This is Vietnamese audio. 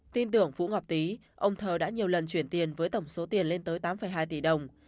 tin tưởng vũ ngọc tý ông thờ đã nhiều lần chuyển tiền với tổng số tiền lên tới tám hai tỷ đồng